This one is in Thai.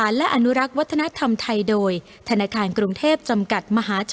ชุดคมมีด